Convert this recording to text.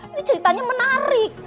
ini ceritanya menarik